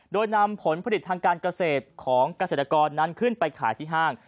โดยนำผลผลิตทางการเกษตรของเกษตรกรนั้นขึ้นไปขายที่ห้าง